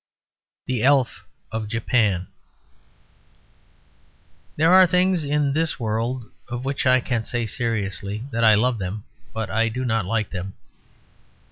THE ELF OF JAPAN There are things in this world of which I can say seriously that I love them but I do not like them.